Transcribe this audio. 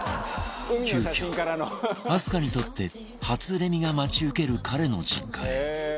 急遽明日香にとって初レミが待ち受ける彼の実家へ